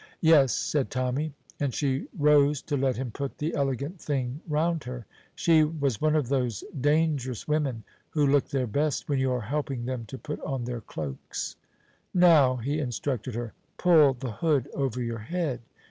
"Yes," said Tommy, and she rose to let him put the elegant thing round her. She was one of those dangerous women who look their best when you are helping them to put on their cloaks. "Now," he instructed her, "pull the hood over your head."